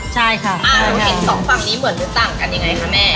ใช่ค่ะอ่าแล้วเห็นสองฝั่งนี้เหมือนที่ตั้งกันยังไงคะแม่